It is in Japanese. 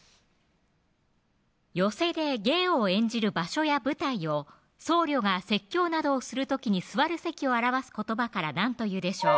寄席で芸を演じる場所や舞台を僧侶が説教などをする時に座る席を表す言葉から何というでしょう